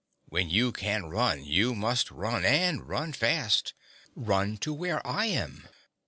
When you can run, you must run, and must run fast. Run to where I am.